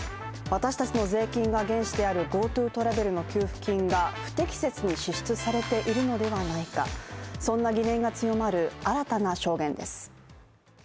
私たちの税金が原資であるＧｏＴｏトラベルの給付金が不適切に支出されているのではないか、そんな疑念が強まる新たな証言です。